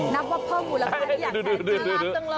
นับว่าเพิ่มมูลค่าที่อยากแข็ง